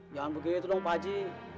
jangan begitu dong pak haji